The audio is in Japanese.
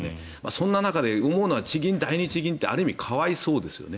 そんな中で思うのは地銀、第二地銀ってある意味可哀想ですよね。